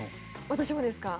私もですか？